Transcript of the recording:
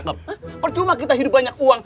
kok cuma kita hidup banyak uang